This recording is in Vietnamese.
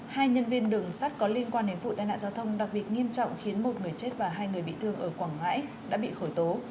hai nhân viên đường sắt có liên quan đến vụ tai nạn giao thông đặc biệt nghiêm trọng khiến một người chết và hai người bị thương ở quảng ngãi đã bị khởi tố